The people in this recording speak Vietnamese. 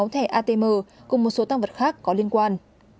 sáu thẻ atm cùng một số tăng vật khác có liên quan